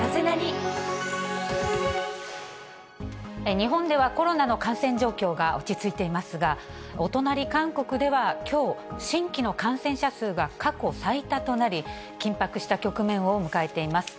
日本ではコロナの感染状況が落ち着いていますが、お隣、韓国ではきょう、新規の感染者数が過去最多となり、緊迫した局面を迎えています。